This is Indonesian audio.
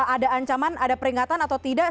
ada ancaman ada peringatan atau tidak